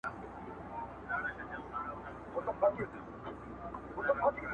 کله کله به یادیږي زما بوډۍ کیسې نیمګړي!